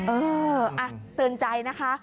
เออเตือนใจนะคะ